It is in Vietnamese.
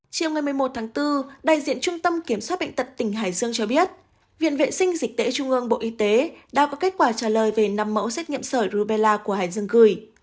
chiều ngày một mươi một tháng bốn đại diện trung tâm kiểm soát bệnh tật tỉnh hải dương cho biết viện vệ sinh dịch tễ trung ương bộ y tế đã có kết quả trả lời về năm mẫu xét nghiệm sởi rubella của hải dương gửi